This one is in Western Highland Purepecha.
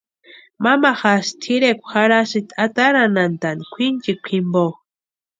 Mamajasï tʼirekwa jarhasti ataranhantani kwʼinchika jimpo.